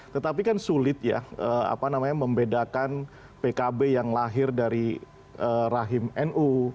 tetapi kan sulit ya apa namanya membedakan pkb yang lahir dari rahim nu